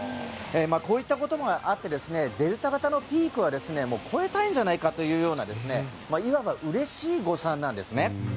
こういったこともあってデルタ型のピークは超えたんじゃないかというようないわばうれしい誤算なんですね。